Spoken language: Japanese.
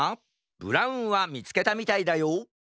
ブラウンはみつけたみたいだよ